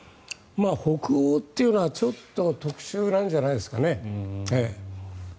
北欧というのはちょっと特殊なんじゃないですかね。